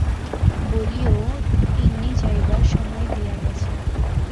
বলিয়ো, তিন্নি যাইবার সময় দিয়া গেছে।